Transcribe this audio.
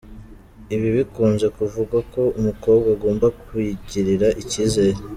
Ibi bikunze kuvugwa ko umukobwa agomba kwigirira icyizere.